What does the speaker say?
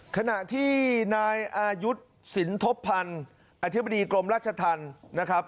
ขณะที่นายอายุทธ์สินทบพันธ์อธิบดีกรมราชธรรมนะครับ